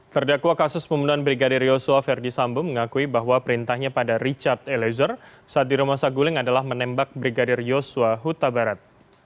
terdakwa kasus pembunuhan brigadir yosua verdi sambo mengakui bahwa perintahnya pada richard eliezer saat di rumah saguling adalah menembak brigadir yosua huta barat